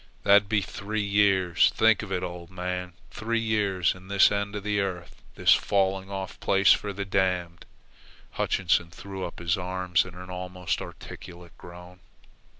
"That'd be three years. Think of it, old man, three years in this end of the earth, this falling off place for the damned!" Hutchinson threw up his arm in an almost articulate groan.